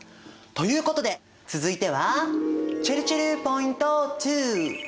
ということで続いてはちぇるちぇるポイント２！